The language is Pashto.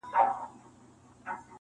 o دا مناففت پرېږده کنې نو دوږخي به سي,